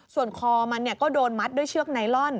ส่วนคอมันก็โดนมัดด้วยเชือกไนลอน